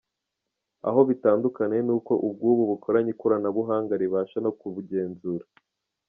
Aho bitandukaniye ni uko ubw’ubu bukoranye ikoranabuhanga ribasha no kubugenzura.